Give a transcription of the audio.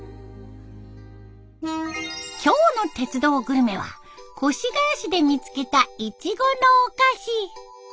今日の「鉄道グルメ」は越谷市で見つけたイチゴのお菓子。